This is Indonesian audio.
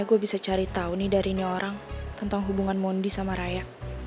gue bisa cari tahu nih dari ini orang tentang hubungan mondi sama raya